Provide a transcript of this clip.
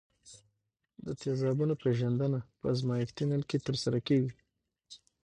د تیزابونو پیژندنه په ازمیښتي نل کې ترسره کیږي.